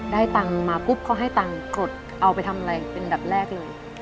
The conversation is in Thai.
ได้ตังค์มาปุ๊บเขาให้ตังค์กดเอาไปทำอะไรเป็นดับแรกเลย